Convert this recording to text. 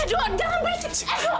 edo jangan berisik